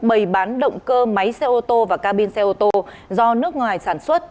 bày bán động cơ máy xe ô tô và ca bin xe ô tô do nước ngoài sản xuất